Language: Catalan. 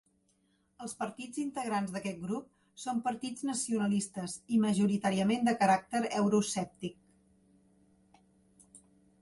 Els partits integrants d'aquest grup són partits nacionalistes i majoritàriament de caràcter euroescèptic.